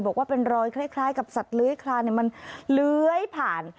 บอกว่าเป็นรอยคล้ายกับสัตว์เลื้อยคลานมันเลื้อยผ่าน